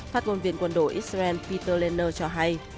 phát ngôn viên quân đội israel peter lenner cho hay